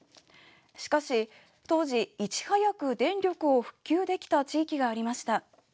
しかし、当時いち早く電力を復旧できた地域がありました。